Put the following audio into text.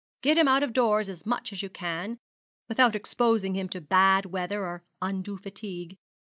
Get him out of doors as much as you can, without exposing him to bad weather or undue fatigue.